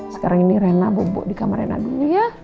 sekarang ini rena bobo di kamar rena dulu ya